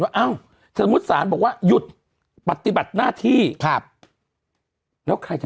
ว่าอ้าวสมมุติสารบอกว่าหยุดปฏิบัติหน้าที่ครับแล้วใครจะ